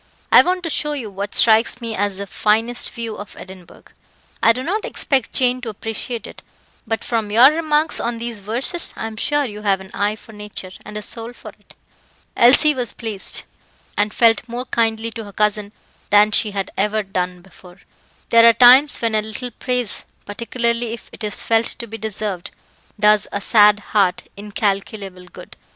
"I want to show you what strikes me as the finest view of Edinburgh. I do not expect Jane to appreciate it; but from your remarks on these verses, I am sure you have an eye for nature, and a soul for it." Elsie was pleased, and felt more kindly to her cousin than she had ever done before. There are times when a little praise, particularly if it is felt to be deserved, does a sad heart incalculable good.